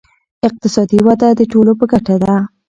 اقتصادي وده د ټولو په ګټه ده.